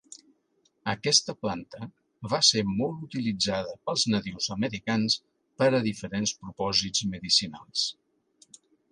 Aquesta planta va ser molt utilitzada pels nadius americans per a diferents propòsits medicinals.